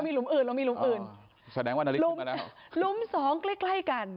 เรามีหลุมอื่นเรามีหลุมอื่นแสดงว่าหลุมสองใกล้ใกล้กัน